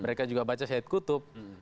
mereka membaca syed qutub